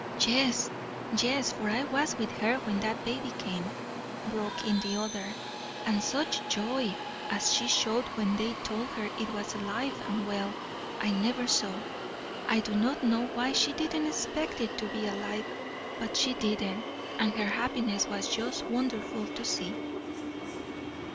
"Yes, yes, for I was with her when that baby came," broke in the other, "and such joy as she showed when they told her it was alive and well I never saw. I do not know why she didn't expect it to be alive, but she didn't, and her happiness was just wonderful to see."